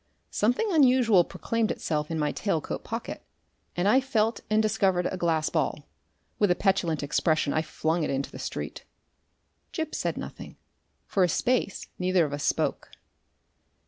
Something unusual proclaimed itself in my tail coat pocket, and I felt and discovered a glass ball. With a petulant expression I flung it into the street. Gip said nothing. For a space neither of us spoke.